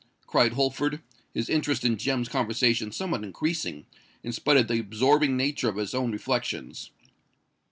cried Holford, his interest in Jem's conversation somewhat increasing, in spite of the absorbing nature of his own reflections.